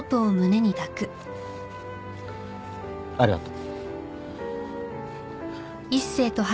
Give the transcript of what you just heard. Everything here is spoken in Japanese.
ありがとう。